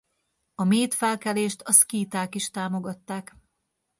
A méd felkelést a szkíták is támogatták.